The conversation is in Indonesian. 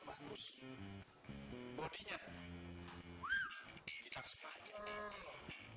di youtube ada banyak video yang di upload